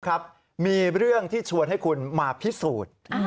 ครับมีเรื่องที่ชวนให้คุณมาพิสูจน์